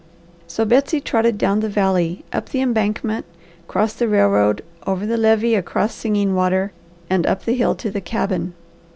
So Betsy trotted down the valley, up the embankment, crossed the railroad, over the levee across Singing Water, and up the hill to the cabin.